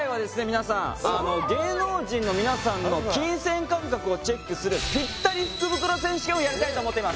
皆さん芸能人の皆さんの金銭感覚をチェックするぴったり福袋選手権をやりたいと思っています